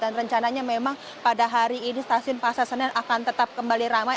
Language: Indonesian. dan rencananya memang pada hari ini stasiun pasar senen akan tetap kembali ramai